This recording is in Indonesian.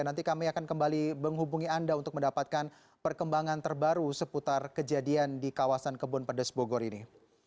nanti kami akan kembali menghubungi anda untuk mendapatkan perkembangan terbaru seputar kejadian di kawasan kebun pedes bogor ini